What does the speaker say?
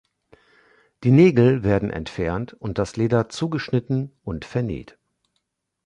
Die Nägel werden entfernt und das Leder zugeschnitten und vernäht.